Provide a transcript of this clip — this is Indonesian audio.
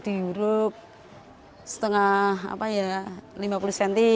diuruk setengah apa ya lima puluh cm